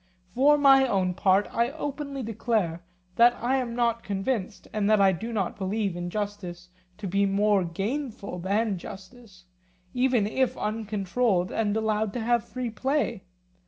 For my own part I openly declare that I am not convinced, and that I do not believe injustice to be more gainful than justice, even if uncontrolled and allowed to have free play.